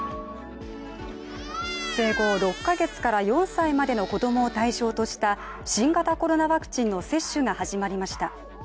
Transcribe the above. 生後６か月から４歳までの子供を対象とした新型コロナワクチンの接種が始まりました。